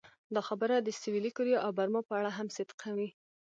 دا خبره د سویلي کوریا او برما په اړه هم صدق کوي.